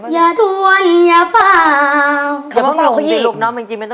น้องจริงมันต้องขึ้นอีกใช่ไหม